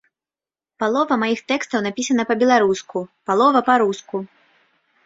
Палова маіх тэкстаў напісана па-беларуску, палова па-руску.